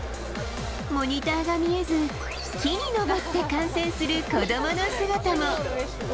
モニターが見えず、木に登って観戦する子どもの姿も。